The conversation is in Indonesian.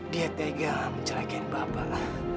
dia tegak mencelakai bapak